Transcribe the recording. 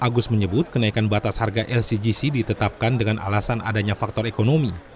agus menyebut kenaikan batas harga lcgc ditetapkan dengan alasan adanya faktor ekonomi